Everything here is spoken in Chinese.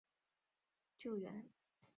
宋朝鄂州诸军都统制孟珙回来援救。